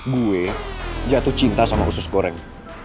gue jatuh cinta sama khusus goreng